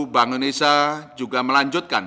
bank indonesia juga melanjutkan